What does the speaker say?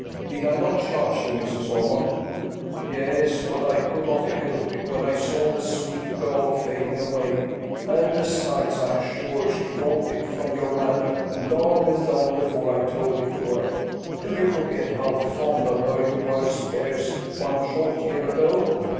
Did I not charge you, Mrs. Ormond " "Yes; but I could not help it, when I saw the sweet girl fading away and, besides, I am sure she thought it, from your manner, long and long before I told it to her. Do you forget how fond of her you were scarce one short year ago?